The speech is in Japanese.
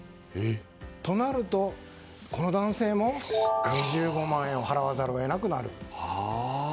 となると、この男性も２５万円を払わざるを得なくなる。